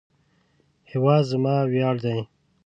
هیواد زما ویاړ دی